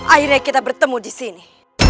akhirnya kita bertemu disini